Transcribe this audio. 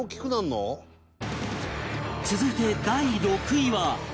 続いて第６位は